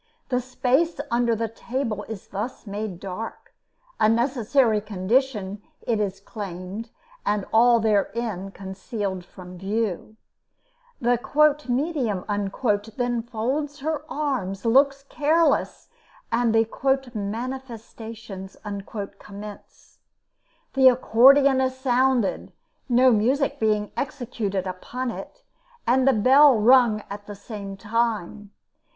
The space under the table is thus made dark a necessary condition, it is claimed and all therein concealed from view. The "medium" then folds her arms, looks careless, and the "manifestations" commence. The accordeon is sounded, no music being executed upon it, and the bell rung at the same time.